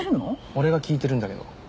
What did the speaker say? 俺が聞いてるんだけど。